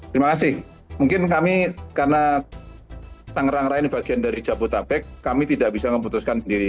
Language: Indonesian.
terima kasih mungkin kami karena tangerang raya ini bagian dari jabodetabek kami tidak bisa memutuskan sendiri